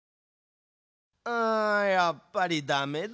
あやっぱりダメだ。